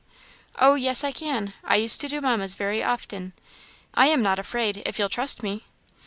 "Oh, yes, I can; I used to do Mamma's very often; I am not afraid, if you'll trust me."